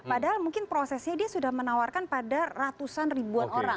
padahal mungkin prosesnya dia sudah menawarkan pada ratusan ribuan orang